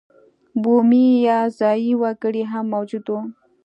بومي یا ځايي وګړي هم موجود وو.